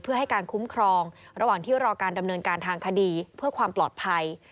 เพื่อให้การคุ้มครองระหว่างที่รอการดำเนินการทางคดีเพื่อความปลอดภัย